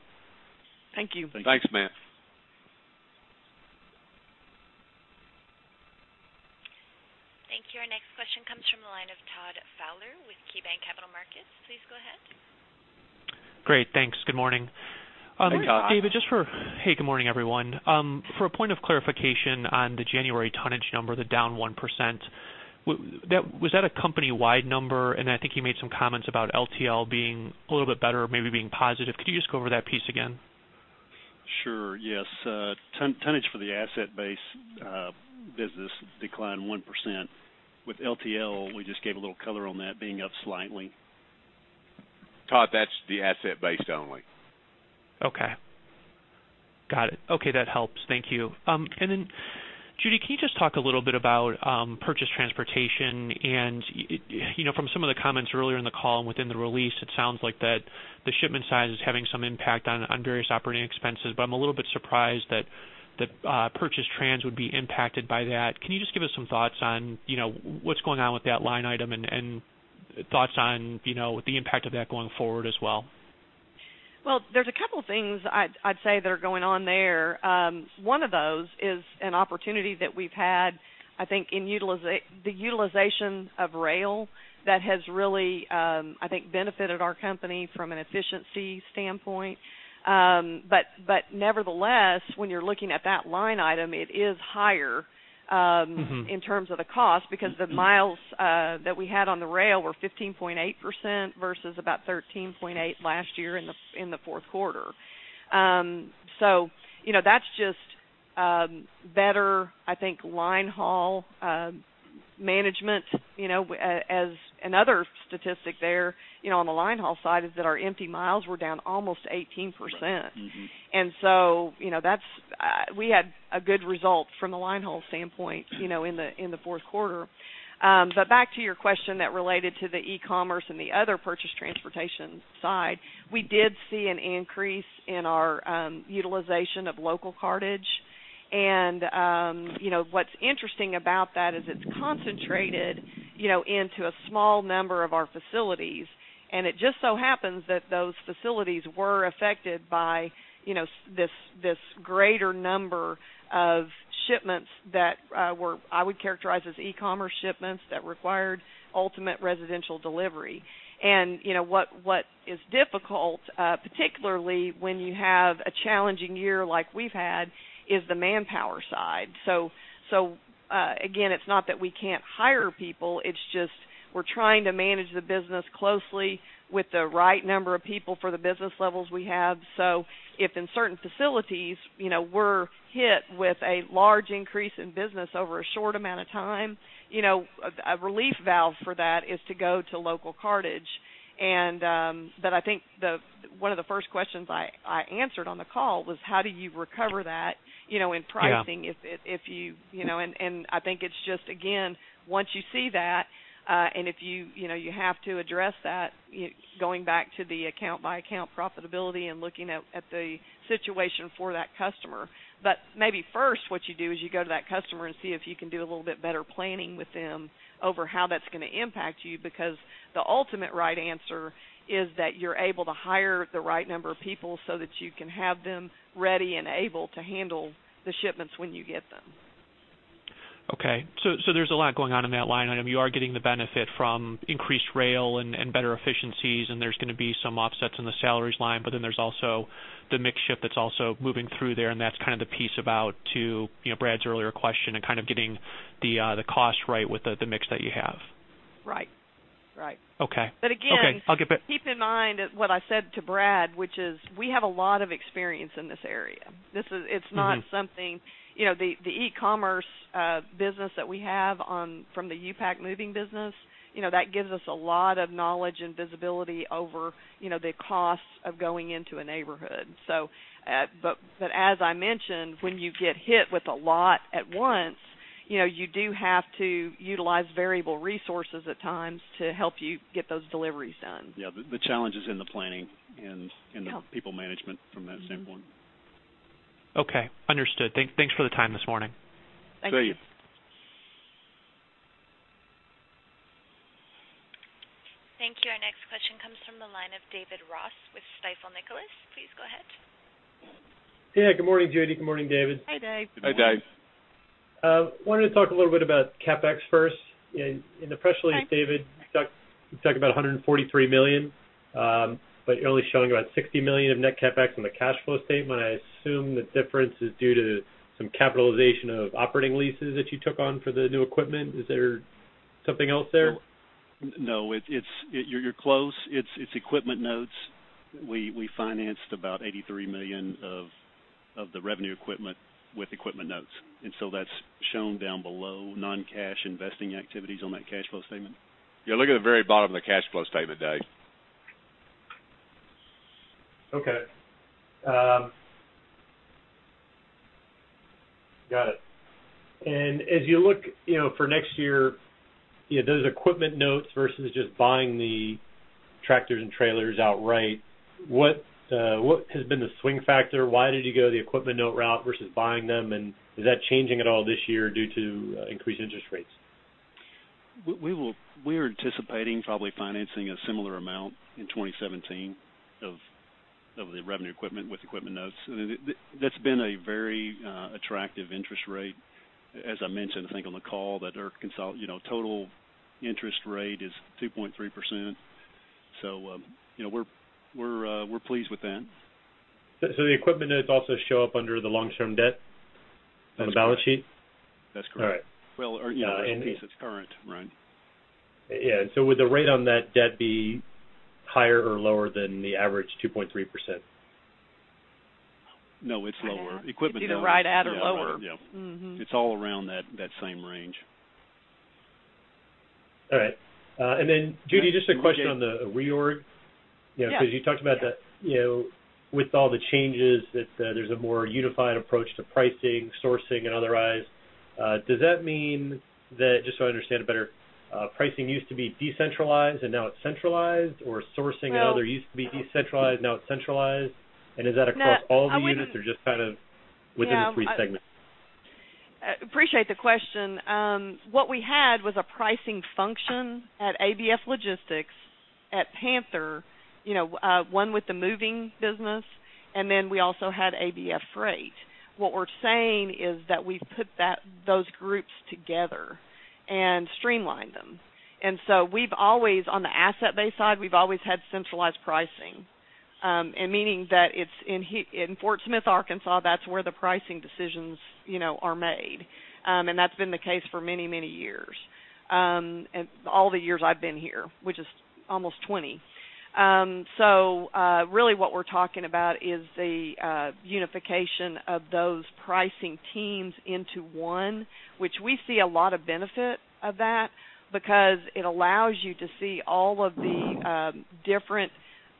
Thank you. Thanks, man. Thank you. Our next question comes from the line of Todd Fowler with KeyBanc Capital Markets. Please go ahead. Great. Thanks. Good morning. Hey, Todd. David, hey, good morning, everyone. For a point of clarification on the January tonnage number, the down 1%, was that a company-wide number? And I think you made some comments about LTL being a little bit better, maybe being positive. Could you just go over that piece again? Sure. Yes. Tonnage for the asset-based business declined 1%. With LTL, we just gave a little color on that being up slightly. Todd, that's the asset-based only. Okay. Got it. Okay. That helps. Thank you. And then, Judy, can you just talk a little bit about purchased transportation? And from some of the comments earlier in the call and within the release, it sounds like that the shipment size is having some impact on various operating expenses, but I'm a little bit surprised that purchased trans would be impacted by that. Can you just give us some thoughts on what's going on with that line item and thoughts on the impact of that going forward as well? Well, there's a couple of things, I'd say, that are going on there. One of those is an opportunity that we've had, I think, in the utilization of rail that has really, I think, benefited our company from an efficiency standpoint. But nevertheless, when you're looking at that line item, it is higher in terms of the cost because the miles that we had on the rail were 15.8% versus about 13.8% last year in the fourth quarter. So that's just better, I think, line haul management. And other statistic there on the line haul side is that our empty miles were down almost 18%. And so we had a good result from the line haul standpoint in the fourth quarter. But back to your question that related to the e-commerce and the other purchased transportation side, we did see an increase in our utilization of local cartage. What's interesting about that is it's concentrated into a small number of our facilities. It just so happens that those facilities were affected by this greater number of shipments that I would characterize as e-commerce shipments that required ultimate residential delivery. What is difficult, particularly when you have a challenging year like we've had, is the manpower side. Again, it's not that we can't hire people. It's just we're trying to manage the business closely with the right number of people for the business levels we have. If in certain facilities we're hit with a large increase in business over a short amount of time, a relief valve for that is to go to local cartage. But I think one of the first questions I answered on the call was, "How do you recover that in pricing if you " and I think it's just, again, once you see that and if you have to address that, going back to the account-by-account profitability and looking at the situation for that customer. But maybe first, what you do is you go to that customer and see if you can do a little bit better planning with them over how that's going to impact you because the ultimate right answer is that you're able to hire the right number of people so that you can have them ready and able to handle the shipments when you get them. Okay. So there's a lot going on in that line item. You are getting the benefit from increased rail and better efficiencies, and there's going to be some offsets in the salaries line, but then there's also the mixed ship that's also moving through there. And that's kind of the piece about, too, Brad's earlier question and kind of getting the cost right with the mix that you have. Right. Right. But again. Okay. I'll get back. Keep in mind what I said to Brad, which is we have a lot of experience in this area. It's not something the e-commerce business that we have from the U-Pack moving business, that gives us a lot of knowledge and visibility over the costs of going into a neighborhood. But as I mentioned, when you get hit with a lot at once, you do have to utilize variable resources at times to help you get those deliveries done. Yeah. The challenge is in the planning and the people management from that standpoint. Okay. Understood. Thanks for the time this morning. Thank you. See you. Thank you. Our next question comes from the line of David Ross with Stifel. Please go ahead. Yeah. Good morning, Judy. Good morning, David. Hi, Dave. Hi, Dave. Wanted to talk a little bit about CapEx first. In the press release, David, you talked about $143 million, but you're only showing about $60 million of net CapEx on the cash flow statement. I assume the difference is due to some capitalization of operating leases that you took on for the new equipment. Is there something else there? No. You're close. It's equipment notes. We financed about $83 million of the revenue equipment with equipment notes. And so that's shown down below, non-cash investing activities on that cash flow statement. Yeah. Look at the very bottom of the cash flow statement, Dave. Okay. Got it. As you look for next year, those equipment notes versus just buying the tractors and trailers outright, what has been the swing factor? Why did you go the equipment note route versus buying them? Is that changing at all this year due to increased interest rates? We are anticipating probably financing a similar amount in 2017 of the revenue equipment with equipment notes. I mean, that's been a very attractive interest rate, as I mentioned, I think, on the call, that our total interest rate is 2.3%. So we're pleased with that. The equipment notes also show up under the long-term debt on the balance sheet? That's correct. Well, or NP is its current, right? Yeah. And so would the rate on that debt be higher or lower than the average 2.3%? No. It's lower. Equipment notes. Either right at or lower. Yeah. It's all around that same range. All right. And then, Judy, just a question on the reorg because you talked about that with all the changes that there's a more unified approach to pricing, sourcing, and otherwise. Does that mean that just so I understand it better, pricing used to be decentralized, and now it's centralized? Or sourcing and other used to be decentralized, now it's centralized? And is that across all of the units, or just kind of within the three segments? Appreciate the question. What we had was a pricing function at ABF Logistics, at Panther, one with the moving business, and then we also had ABF Freight. What we're saying is that we've put those groups together and streamlined them. And so on the asset-based side, we've always had centralized pricing, meaning that in Fort Smith, Arkansas, that's where the pricing decisions are made. And that's been the case for many, many years, all the years I've been here, which is almost 20. So really, what we're talking about is the unification of those pricing teams into one, which we see a lot of benefit of that because it allows you to see all of the different,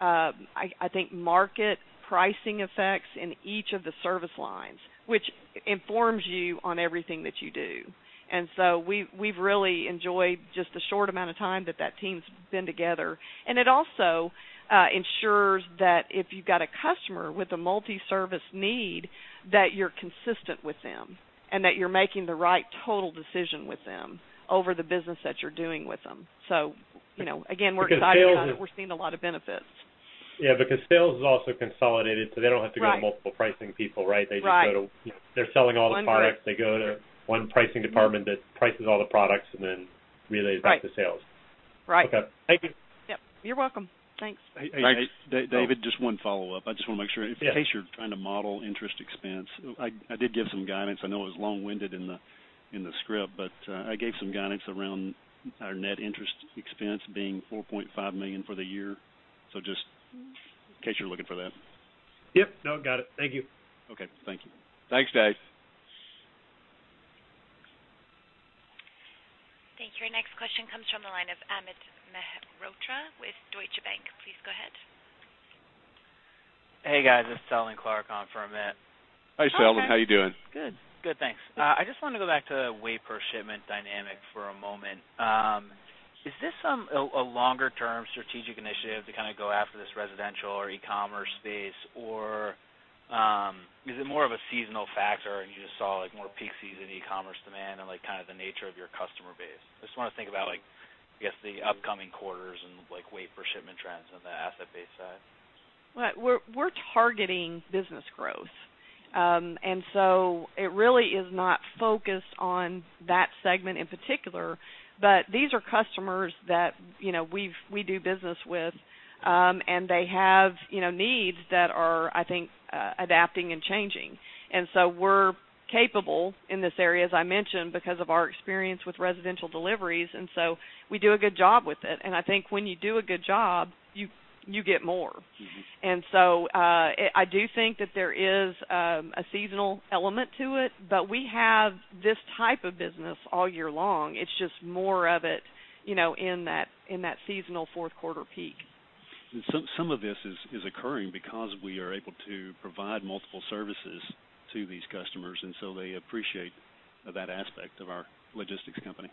I think, market pricing effects in each of the service lines, which informs you on everything that you do. And so we've really enjoyed just the short amount of time that that team's been together. And it also ensures that if you've got a customer with a multi-service need, that you're consistent with them and that you're making the right total decision with them over the business that you're doing with them. So again, we're excited because we're seeing a lot of benefits. Yeah. Because sales is also consolidated, so they don't have to go to multiple pricing people, right? They just go to. They're selling all the products. They go to one pricing department that prices all the products and then relays back to sales. Right. Right. Okay. Thank you. Yep. You're welcome. Thanks. Hey, David, just one follow-up. I just want to make sure in case you're trying to model interest expense, I did give some guidance. I know it was long-winded in the script, but I gave some guidance around our net interest expense being $4.5 million for the year. So just in case you're looking for that. Yep. No, got it. Thank you. Okay. Thank you. Thanks, Dave. Thank you. Our next question comes from the line of Amit Mehrotra with Deutsche Bank. Please go ahead. Hey, guys. It's Seldon Clarke on for a Amit. Hey, Seldon. How are you doing? Good. Good. Thanks. I just wanted to go back to weight per shipment dynamic for a moment. Is this a longer-term strategic initiative to kind of go after this residential or e-commerce space, or is it more of a seasonal factor, and you just saw more peak season e-commerce demand and kind of the nature of your customer base? I just want to think about, I guess, the upcoming quarters and weight per shipment trends on the asset-based side. We're targeting business growth. And so it really is not focused on that segment in particular, but these are customers that we do business with, and they have needs that are, I think, adapting and changing. And so we're capable in this area, as I mentioned, because of our experience with residential deliveries. And so we do a good job with it. And I think when you do a good job, you get more. And so I do think that there is a seasonal element to it, but we have this type of business all year long. It's just more of it in that seasonal fourth-quarter peak. Some of this is occurring because we are able to provide multiple services to these customers, and so they appreciate that aspect of our logistics company.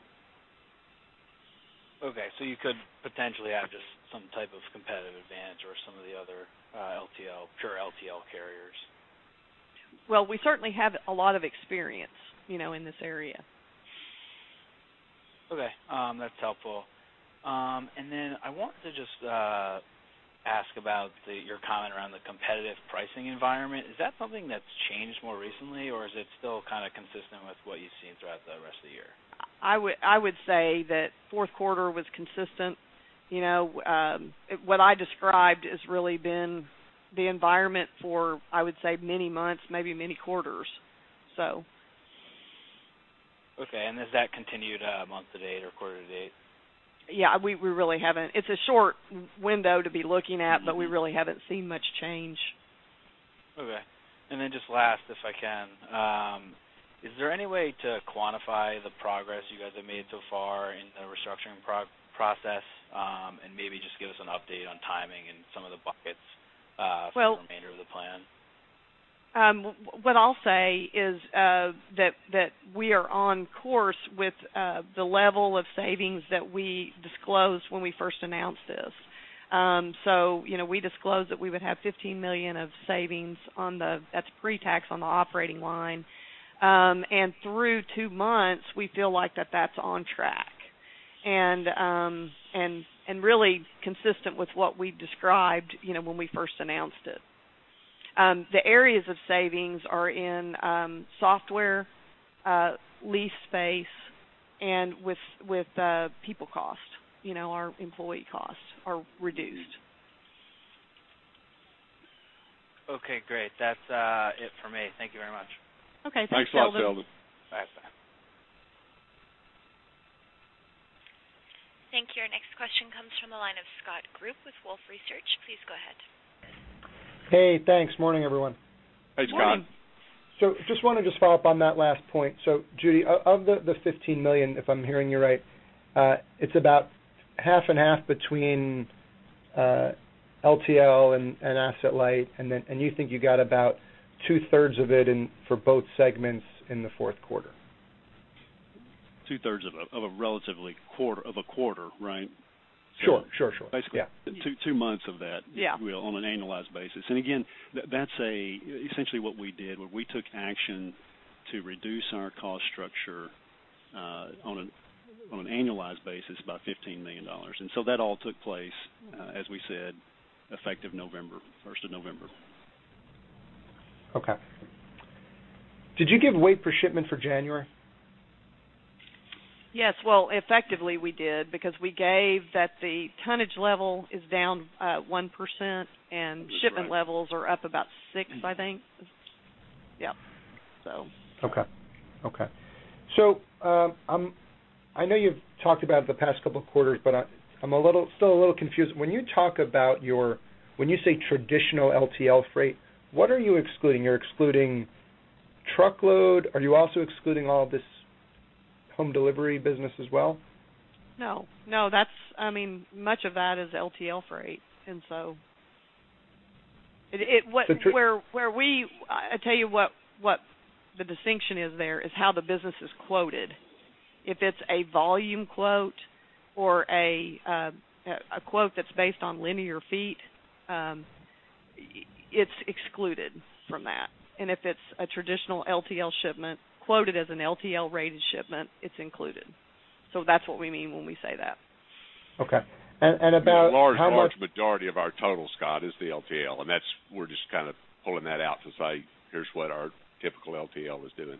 Okay. So you could potentially have just some type of competitive advantage over some of the other pure LTL carriers? Well, we certainly have a lot of experience in this area. Okay. That's helpful. And then I want to just ask about your comment around the competitive pricing environment. Is that something that's changed more recently, or is it still kind of consistent with what you've seen throughout the rest of the year? I would say that fourth quarter was consistent. What I described has really been the environment for, I would say, many months, maybe many quarters, so. Okay. Has that continued month-to-date or quarter-to-date? Yeah. It's a short window to be looking at, but we really haven't seen much change. Okay. Then just last, if I can, is there any way to quantify the progress you guys have made so far in the restructuring process and maybe just give us an update on timing and some of the buckets for the remainder of the plan? What I'll say is that we are on course with the level of savings that we disclosed when we first announced this. So we disclosed that we would have $15 million of savings that's pre-tax on the operating line. And through two months, we feel like that that's on track and really consistent with what we've described when we first announced it. The areas of savings are in software lease space and with people cost. Our employee costs are reduced. Okay. Great. That's it for me. Thank you very much. Okay. Thanks, Seldon. Thanks, Seldon. Bye. Bye. Thank you. Our next question comes from the line of Scott Group with Wolfe Research. Please go ahead. Hey. Thanks. Morning, everyone. Hey, Scott. Morning. Just want to just follow up on that last point. So, Judy, of the $15 million, if I'm hearing you right, it's about half and half between LTL and asset-light, and you think you got about two-thirds of it for both segments in the fourth quarter. 2/3 of a quarter, right? Sure. Sure. Sure. Basically, two months of that, if you will, on an annualized basis. And again, that's essentially what we did, where we took action to reduce our cost structure on an annualized basis by $15 million. And so that all took place, as we said, effective November 1st of November. Okay. Did you give way per shipment for January? Yes. Well, effectively, we did because we gave that the tonnage level is down 1% and shipment levels are up about 6%, I think. Yep. So. Okay. Okay. So I know you've talked about it the past couple of quarters, but I'm still a little confused. When you say traditional LTL freight, what are you excluding? You're excluding truckload. Are you also excluding all of this home delivery business as well? No. No. I mean, much of that is LTL freight. And so, I'll tell you what the distinction is. There is how the business is quoted. If it's a volume quote or a quote that's based on linear feet, it's excluded from that. And if it's a traditional LTL shipment, quoted as an LTL-rated shipment, it's included. So that's what we mean when we say that. Okay. About how much? It's a large majority of our total, Scott, is the LTL. We're just kind of pulling that out to say, "Here's what our typical LTL is doing.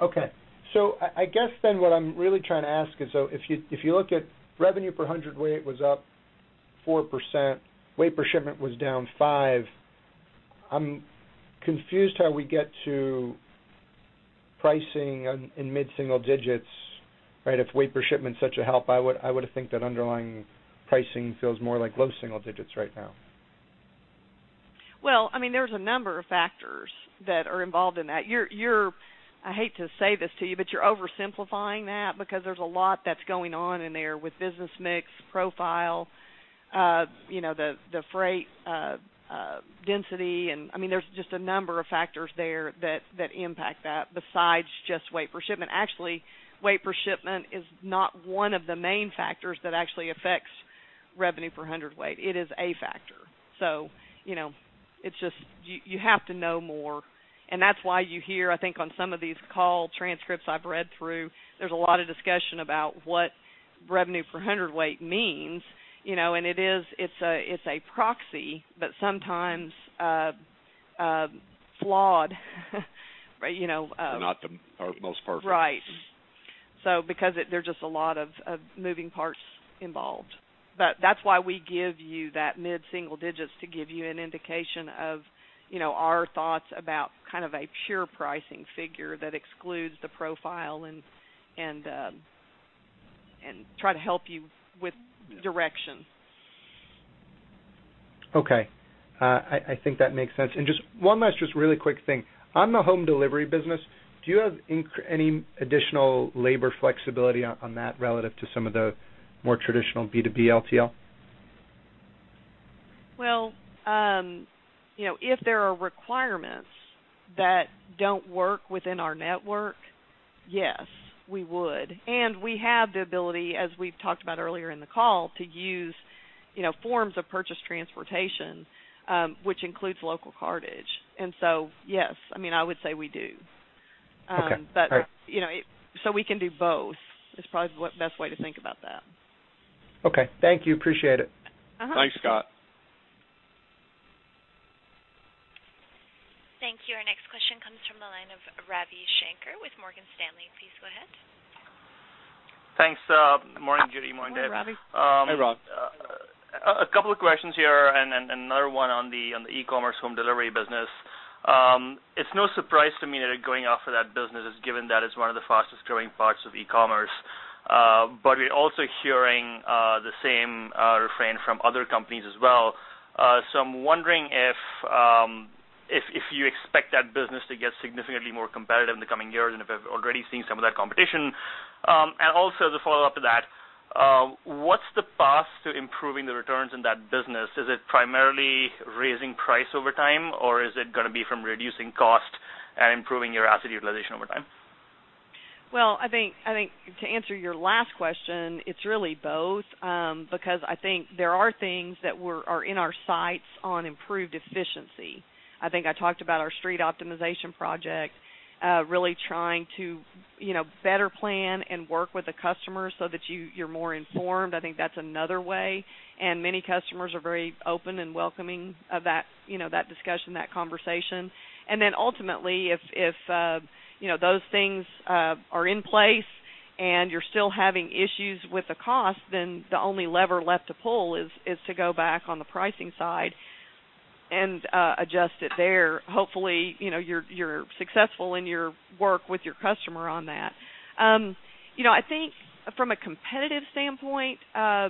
Okay. So I guess then what I'm really trying to ask is, so if you look at revenue per hundredweight was up 4%, weight per shipment was down 5, I'm confused how we get to pricing in mid-single digits, right? If weight per shipment's such a help, I would have think that underlying pricing feels more like low single digits right now. Well, I mean, there's a number of factors that are involved in that. I hate to say this to you, but you're oversimplifying that because there's a lot that's going on in there with business mix, profile, the freight density. And I mean, there's just a number of factors there that impact that besides just weight per shipment. Actually, weight per shipment is not one of the main factors that actually affects revenue per hundredweight. It is a factor. So it's just you have to know more. And that's why you hear, I think, on some of these call transcripts I've read through, there's a lot of discussion about what revenue per hundredweight means. And it's a proxy, but sometimes flawed. Not the most perfect. Right. Because there's just a lot of moving parts involved. That's why we give you that mid-single digits to give you an indication of our thoughts about kind of a pure pricing figure that excludes the profile and try to help you with direction. Okay. I think that makes sense. Just one last, just really quick thing. On the home delivery business, do you have any additional labor flexibility on that relative to some of the more traditional B2B LTL? Well, if there are requirements that don't work within our network, yes, we would. We have the ability, as we've talked about earlier in the call, to use forms of purchased transportation, which includes local cartage. Yes, I mean, I would say we do. We can do both is probably the best way to think about that. Okay. Thank you. Appreciate it. Thanks, Scott. Thank you. Our next question comes from the line of Ravi Shanker with Morgan Stanley. Please go ahead. Thanks. Good morning, Judy. Morning, David. Morning, Ravi. Hey, Rob. A couple of questions here and another one on the e-commerce home delivery business. It's no surprise to me that it's going off for that business given that it's one of the fastest-growing parts of e-commerce. But we're also hearing the same refrain from other companies as well. So I'm wondering if you expect that business to get significantly more competitive in the coming years and if we're already seeing some of that competition? And also, as a follow-up to that, what's the path to improving the returns in that business? Is it primarily raising price over time, or is it going to be from reducing cost and improving your asset utilization over time? Well, I think to answer your last question, it's really both because I think there are things that are in our sights on improved efficiency. I think I talked about our street optimization project, really trying to better plan and work with the customer so that you're more informed. I think that's another way. And many customers are very open and welcoming of that discussion, that conversation. And then ultimately, if those things are in place and you're still having issues with the cost, then the only lever left to pull is to go back on the pricing side and adjust it there. Hopefully, you're successful in your work with your customer on that. I think from a competitive standpoint, I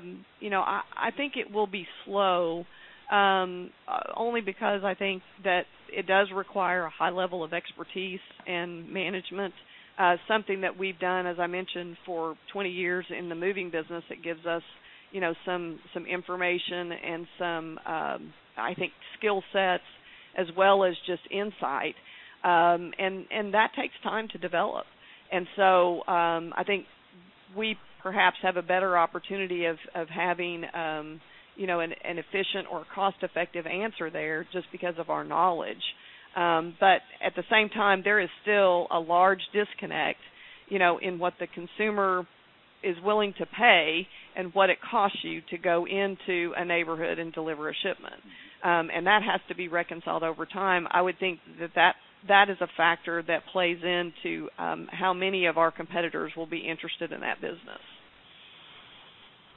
think it will be slow only because I think that it does require a high level of expertise and management. Something that we've done, as I mentioned, for 20 years in the moving business, it gives us some information and some, I think, skill sets as well as just insight. And that takes time to develop. And so I think we perhaps have a better opportunity of having an efficient or cost-effective answer there just because of our knowledge. But at the same time, there is still a large disconnect in what the consumer is willing to pay and what it costs you to go into a neighborhood and deliver a shipment. And that has to be reconciled over time. I would think that that is a factor that plays into how many of our competitors will be interested in that business.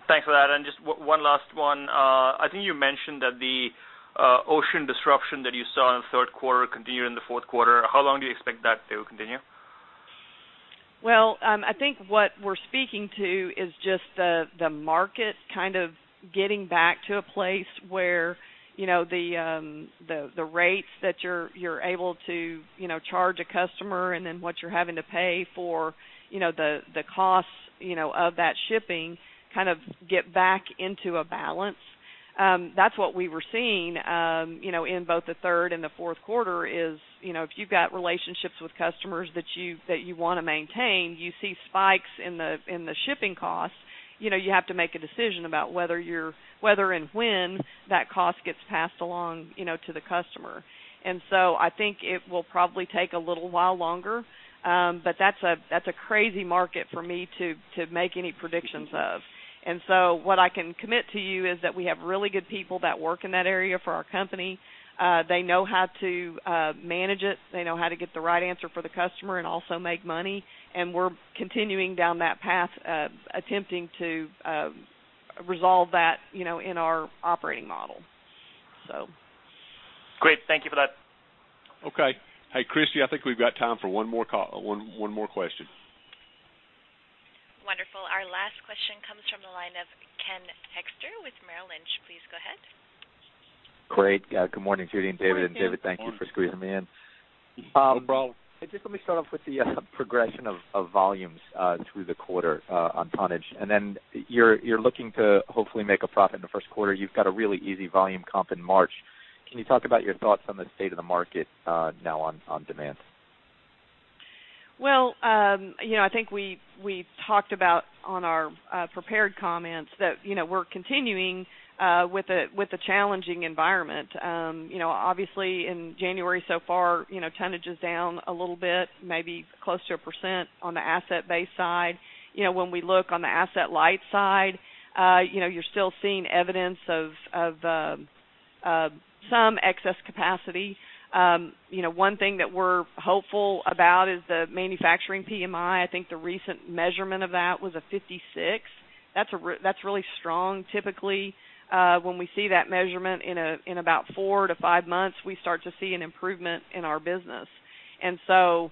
Thanks for that. Just one last one. I think you mentioned that the ocean disruption that you saw in the third quarter continued in the fourth quarter. How long do you expect that to continue? Well, I think what we're speaking to is just the market kind of getting back to a place where the rates that you're able to charge a customer and then what you're having to pay for the costs of that shipping kind of get back into a balance. That's what we were seeing in both the third and the fourth quarter, is if you've got relationships with customers that you want to maintain, you see spikes in the shipping costs, you have to make a decision about whether and when that cost gets passed along to the customer. And so I think it will probably take a little while longer, but that's a crazy market for me to make any predictions of. And so what I can commit to you is that we have really good people that work in that area for our company. They know how to manage it. They know how to get the right answer for the customer and also make money. We're continuing down that path, attempting to resolve that in our operating model, so. Great. Thank you for that. Okay. Hey, Christy, I think we've got time for one more question. Wonderful. Our last question comes from the line of Ken Hoexter with Merrill Lynch. Please go ahead. Great. Good morning, Judy and David. David, thank you for squeezing me in. No problem. Hey, just let me start off with the progression of volumes through the quarter on tonnage. And then you're looking to hopefully make a profit in the first quarter. You've got a really easy volume comp in March. Can you talk about your thoughts on the state of the market now on demand? Well, I think we talked about on our prepared comments that we're continuing with a challenging environment. Obviously, in January so far, tonnage is down a little bit, maybe close to 1% on the asset-based side. When we look on the asset-light side, you're still seeing evidence of some excess capacity. One thing that we're hopeful about is the manufacturing PMI. I think the recent measurement of that was a 56. That's really strong. Typically, when we see that measurement, in about 4-5 months, we start to see an improvement in our business. And so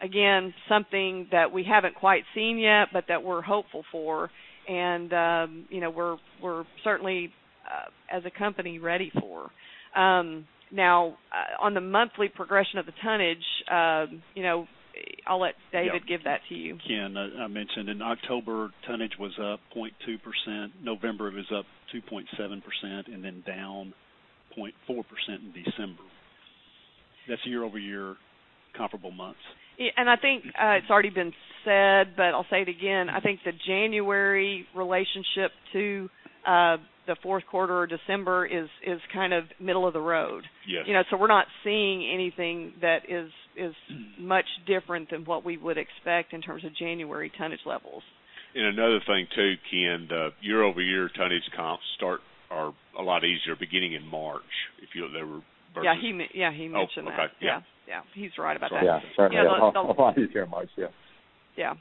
again, something that we haven't quite seen yet but that we're hopeful for and we're certainly, as a company, ready for. Now, on the monthly progression of the tonnage, I'll let David give that to you. Ken, I mentioned in October, tonnage was up 0.2%. November, it was up 2.7% and then down 0.4% in December. That's year-over-year comparable months. I think it's already been said, but I'll say it again. I think the January relationship to the fourth quarter or December is kind of middle of the road. We're not seeing anything that is much different than what we would expect in terms of January tonnage levels. Another thing too, Ken, the year-over-year tonnage comps start are a lot easier beginning in March if they were versus. Yeah. Yeah. He mentioned that. Yeah. Yeah. He's right about that. So yeah. Sorry. Yeah. I'll probably use your March. Yeah. Yeah.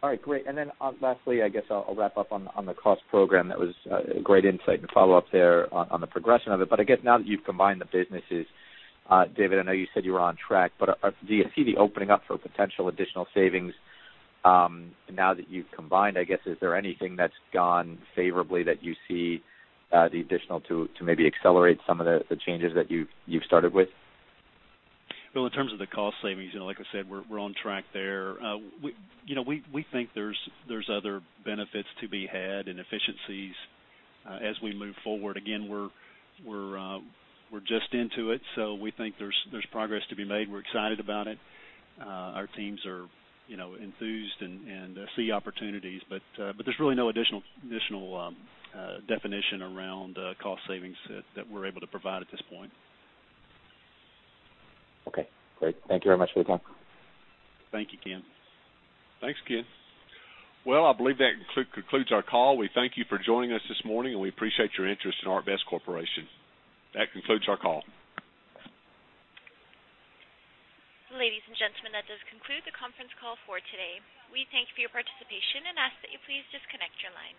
All right. Great. And then lastly, I guess I'll wrap up on the cost program. That was a great insight and follow-up there on the progression of it. But I guess now that you've combined the businesses, David, I know you said you were on track, but do you see the opening up for potential additional savings now that you've combined? I guess is there anything that's gone favorably that you see the additional to maybe accelerate some of the changes that you've started with? Well, in terms of the cost savings, like I said, we're on track there. We think there's other benefits to be had and efficiencies as we move forward. Again, we're just into it, so we think there's progress to be made. We're excited about it. Our teams are enthused and see opportunities, but there's really no additional definition around cost savings that we're able to provide at this point. Okay. Great. Thank you very much for your time. Thank you, Ken. Thanks, Ken. Well, I believe that concludes our call. We thank you for joining us this morning, and we appreciate your interest in ArcBest Corporation. That concludes our call. Ladies and gentlemen, that does conclude the conference call for today. We thank you for your participation and ask that you please disconnect your line.